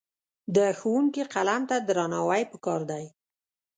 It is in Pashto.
د ښوونکي قلم ته درناوی پکار دی.